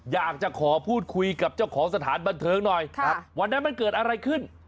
อยากจะขอพูดคุยกับเจ้าของสถานบันเทิงหน่อยวันนั้นมันเกิดอะไรขึ้น